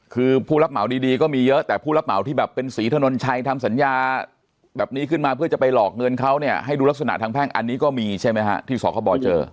คือผู้รับเหมาดีก็มีเยอะแต่ผู้รับเหมาที่แบบเป็นศรีถนนชัยทำสัญญาแบบนี้ขึ้นมาเพื่อจะไปหลอกเงินเขาเนี่ยให้ดูลักษณะทางแพ่งอันนี้ก็มีใช่ไหมฮะที่สคบเจอ